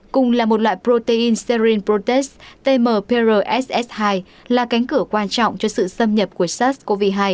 cùng là một loại protein serin prote tmprss hai là cánh cửa quan trọng cho sự xâm nhập của sars cov hai